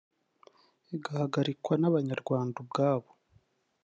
igahagarikwa n’abanyarwanda ubwabo